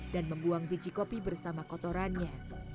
dan membuang biji kopi bersama kotorannya